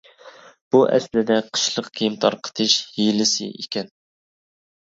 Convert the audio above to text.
بۇ ئەسلىدە قىشلىق كىيىم تارقىتىش ھىيلىسى ئىكەن.